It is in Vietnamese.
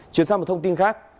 chuyển sang một thông tin khác